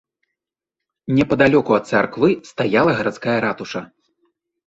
Непадалёку ад царквы стаяла гарадская ратуша.